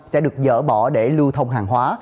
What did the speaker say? sẽ được dỡ bỏ để lưu thông hàng hóa